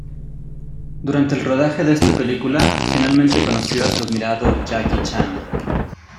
Durante el rodaje de esta película finalmente conoció a su admirado Jackie Chan.